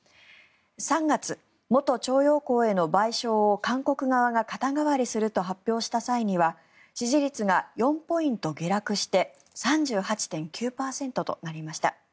３月、元徴用工への賠償を韓国側が肩代わりすると発表した際には支持率が４ポイント下落して３８．９％となりました。